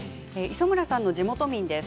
磯村さんの地元民です。